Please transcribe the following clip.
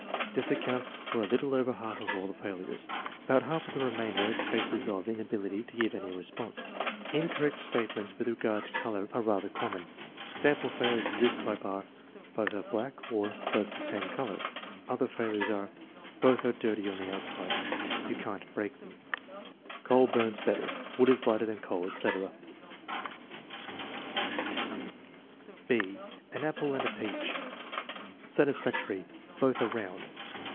This accounts for a little over half of all the failures. About half of the remainder are cases of in ability to give any response. Incorrect statements with regard to color are rather common. Sample failures of this type are: "Both are black," or "Both the same color." Other failures are: "Both are dirty on the outside;" "You can't break them;" "Coal burns better;" "Wood is lighter than coal," etc. (6) An appk and a peach Satisfactory. "Both are round."